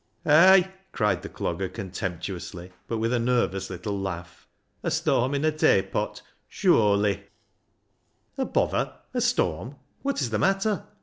" Ay !" cried the Clogger contemptuously, but with a nervous little laugh ;" a storm in a tay pot, sure//." " A bother ? A storm ? What is the matter